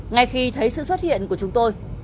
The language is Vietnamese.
ngay khi thấy sự xuất hiện của chúng tôi